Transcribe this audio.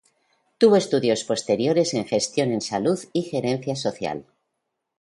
Tuvo estudios posteriores en Gestión en Salud y Gerencia Social.